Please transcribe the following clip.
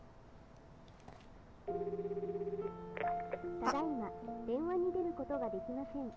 ただいま電話に出ることができません。